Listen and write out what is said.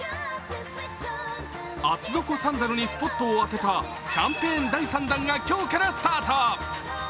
厚底サンダルにスポットを当てたキャンペーン第３弾が今日からスタート。